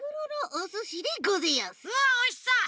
うわおいしそう！